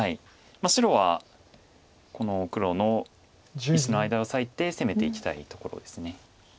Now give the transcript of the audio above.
白はこの黒の石の間を裂いて攻めていきたいところです。